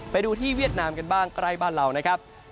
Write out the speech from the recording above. ไปดูที่เวียดนามกันบ้างใกล้บ้านเรานะครับ